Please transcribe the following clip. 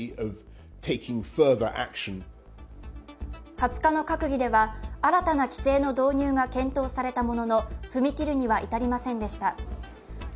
２０日の閣議では、新たな規制の導入が検討されたものの、踏み切るには至りませんでした。